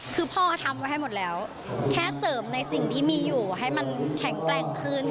คือพ่อทำไว้ให้หมดแล้วแค่เสริมในสิ่งที่มีอยู่ให้มันแข็งแกร่งขึ้น